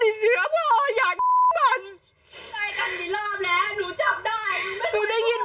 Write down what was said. ยูรู้หัวทางไหม